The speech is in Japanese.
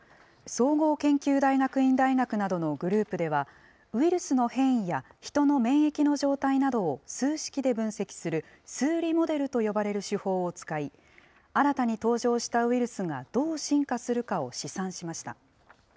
総合研究大学院大学などのグループでは、ウイルスの変異やヒトの免疫の状態などを数式で分析する数理モデルと呼ばれる手法を使い、新たに登場したウイルスがどう進化するかを試算しました。